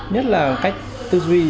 nhất là cách tư duy